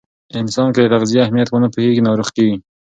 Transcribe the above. انسان که د تغذیې اهمیت ونه پوهیږي، ناروغ کیږي.